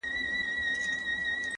ما یې په غېږه کي ګُلونه غوښتل-